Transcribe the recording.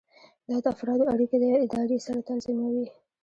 دا د افرادو اړیکې له ادارې سره تنظیموي.